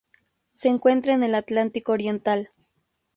Se encuentra en el Atlántico oriental.